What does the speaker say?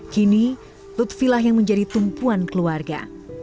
kini lutfi lah yang menjadi tumpuan keluarga